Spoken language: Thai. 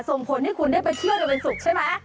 ส่งผลให้คุณได้ไปเชื่อโดยเป็นศุกร์ใช่ไหม